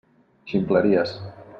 Ximpleries.